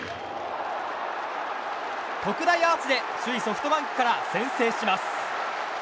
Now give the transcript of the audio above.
特大アーチで首位ソフトバンクから先制します。